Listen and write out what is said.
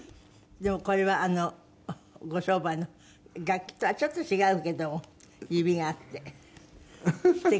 でもこれはご商売の楽器とはちょっと違うけども指があってすてきな。